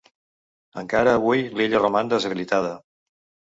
Encara avui, l’illa roman deshabitada.